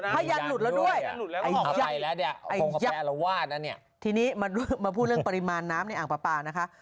พยายามหลุดแล้วด้วยไอ้ยักษ์ทีนี้มาพูดเรื่องปริมาณน้ำในอ่างปลาปลานะคะ